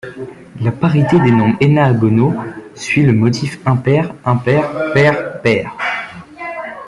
La parité des nombres ennéagonaux suit le motif impair-impair-pair-pair.